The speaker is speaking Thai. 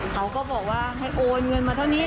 เขาก็บอกว่าให้โอนเงินมาเท่านี้